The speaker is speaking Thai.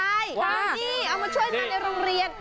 นี่เอามาช่วยงานในโรงเรียน